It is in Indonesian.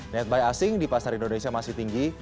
netbuy asing di pasar indonesia masih tinggi